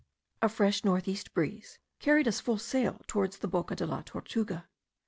A fresh north east breeze carried us full sail towards the Boca de la Tortuga.